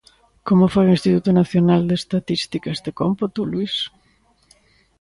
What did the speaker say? Como fai o Instituto Nacional de Estatística este cómputo, Luís?